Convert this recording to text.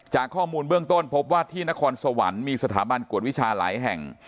จากข้อมูลเบื้องต้นพบว่าที่นครสวรรค์มีสถาบันกวดวิชาหลายแห่ง